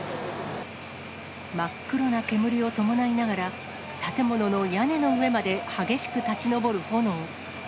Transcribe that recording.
真っ黒な煙を伴いながら、建物の屋根の上まで激しく立ち上る炎。